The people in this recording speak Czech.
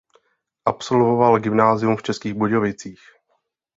Absolvoval gymnázium v Českých Budějovicích.